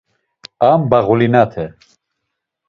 A mbağulinate.